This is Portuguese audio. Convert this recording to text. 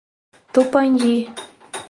Tupandi